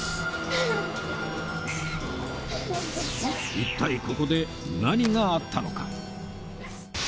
一体ここで何があったのか？